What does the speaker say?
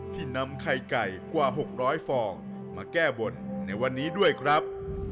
ที่นำไข่ไก่กว่า๖๐๐ฟองมาแก้บนในวันนี้ด้วยครับ